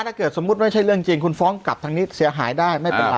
ถ้าเกิดสมมุติไม่ใช่เรื่องจริงคุณฟ้องกลับทางนี้เสียหายได้ไม่เป็นไร